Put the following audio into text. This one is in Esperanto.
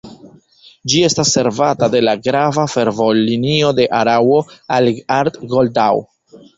Ĝi estas servata de la grava fervojlinio de Araŭo al Arth-Goldau.